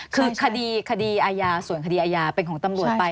คือคดีคดีอาญาส่วนคดีอาญาเป็นของตำรวจไป